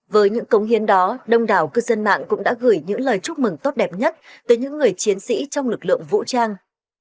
với những cống hiến đó đông đảo cư dân mạng cũng đã gửi những lời chúc mừng tốt đẹp nhất tới những người chiến sĩ trong lực lượng vũ trang